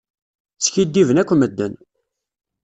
Skidiben akk medden.